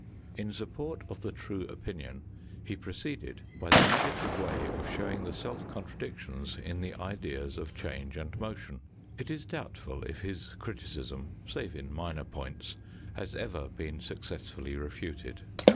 In support of the true opinion he proceeded by the negative way of showing the self contradictions in the ideas of change and motion. It is doubtful if his criticism, save in minor points, has ever been successfully refuted.